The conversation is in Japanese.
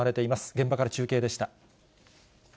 現場から中継でした。